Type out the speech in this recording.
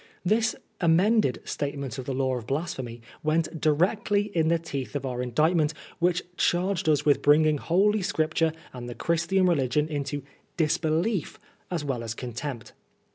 " This amended statement of the Law of Blasphemy went directly in the teeth of our Indictment, which charged us with bringing Holy Scripture and the Christian Religion into disbelief as well as contempt.